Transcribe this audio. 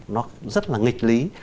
nó rất là nghịch lý